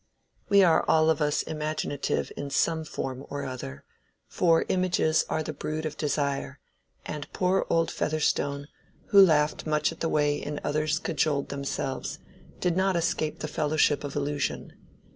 We are all of us imaginative in some form or other, for images are the brood of desire; and poor old Featherstone, who laughed much at the way in which others cajoled themselves, did not escape the fellowship of illusion.